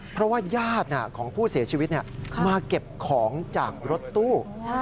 เพราะว่าญาติของผู้เสียชีวิตมาเก็บของจากรถตู้